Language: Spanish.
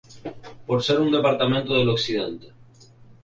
Por ser un departamento del occidente.